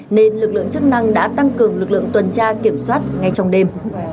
nên lực lượng chức năng đã tăng cường lực lượng tuần tra kiểm soát ngay trong đêm